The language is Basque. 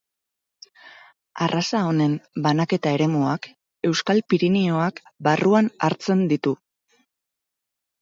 Arraza honen banaketa eremuak Euskal Pirinioak barruan hartzen ditu.